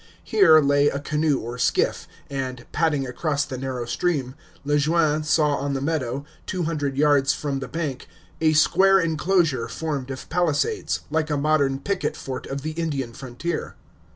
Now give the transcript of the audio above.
Here lay a canoe or skiff; and, paddling across the narrow stream, Le Jeune saw on the meadow, two hundred yards from the bank, a square inclosure formed of palisades, like a modern picket fort of the Indian frontier.